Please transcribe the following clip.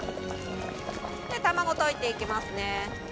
卵溶いていきますね。